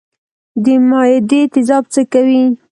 د معدې تیزاب څه کوي؟